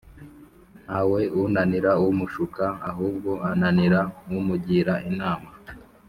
Ntawe unanira umushuka ahubwo ananira umugira inama